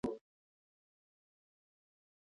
دغه قوت په دې ارزي.